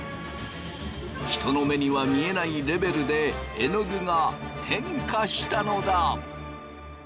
人の目には見えないレベルでえのぐが変化したのだ！